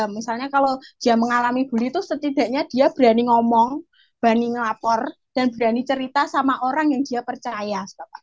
misalnya kalau dia mengalami bully itu setidaknya dia berani ngomong berani ngelapor dan berani cerita sama orang yang dia percaya